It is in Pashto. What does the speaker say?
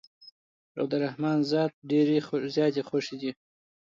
او د رحمن ذات ډېرې زياتي خوښې دي